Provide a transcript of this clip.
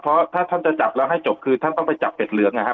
เพราะถ้าท่านจะจับแล้วให้จบคือท่านต้องไปจับเป็ดเหลืองนะครับ